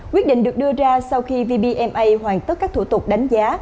quyết định được đưa ra sau khi vbma hoàn tất các thủ tục đánh giá